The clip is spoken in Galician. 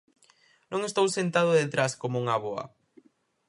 Non estou sentado detrás como unha avoa.